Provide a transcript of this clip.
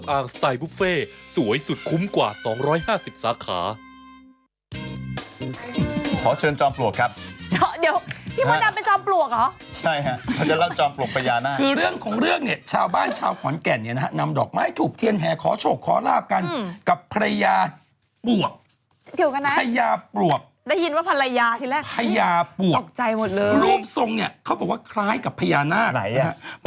อ้าวถูกเพราะฉะนั้น๓แสนคู่ยาไปแล้ว๑แสนไปกว่าคู่ช่วงหน้าจองกรวกทยานาค